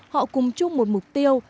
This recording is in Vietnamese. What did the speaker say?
họ cùng chung một mục tiêu